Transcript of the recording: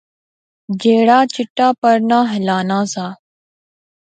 جیہڑا چٹا پرنا ہلانا سا